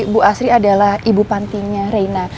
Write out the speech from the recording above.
bu asri adalah ibu pantinnya rena